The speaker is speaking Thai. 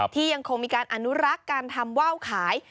ยังคงมีการอนุรักษ์การทำว่าวขาย